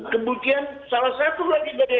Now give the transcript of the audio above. kemudian salah satu lagi dari